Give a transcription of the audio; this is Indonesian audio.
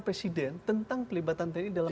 presiden tentang pelibatan tni dalam